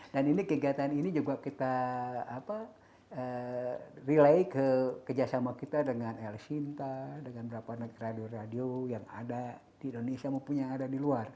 dan ini kegiatan ini juga kita apa relay ke kerjasama kita dengan el shinta dengan beberapa anak radio radio yang ada di indonesia maupun yang ada di luar